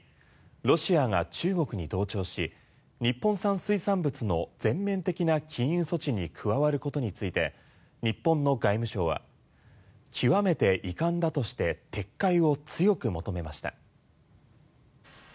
ロシアが中国に同調し日本産水産物の全面的な禁輸措置に加わることについて日本の外務省は極めて遺憾だとして撤回を強く求めました。